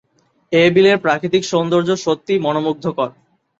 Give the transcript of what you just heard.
এ বিলের প্রাকৃতিক সৌন্দর্য সত্যিই মনোমুগ্ধকর।